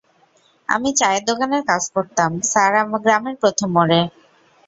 আমি চায়ের দোকানে কাজ করতাম, স্যার, গ্রামের প্রথম মোড়ে!